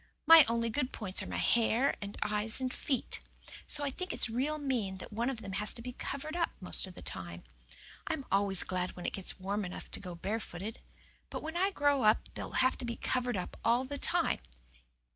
My only good points are my hair and eyes and feet. So I think it's real mean that one of them has to be covered up the most of the time. I'm always glad when it gets warm enough to go barefooted. But, when I grow up they'll have to covered all the time.